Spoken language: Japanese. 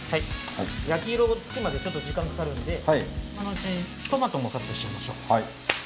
焼き色がつくまでちょっと時間がかかるので今のうちにトマトもカットしちゃいましょう。